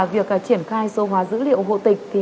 việc triển khai số hóa dữ liệu hộ tịch